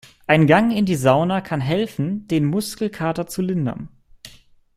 Ein Gang in die Sauna kann helfen, den Muskelkater zu lindern.